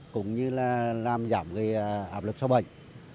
cũng như là làm giảm cái áp lực sâu bệnh